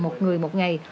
một người một ngày